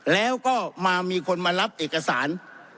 แล้วก็มามีคนมารับเอกสาร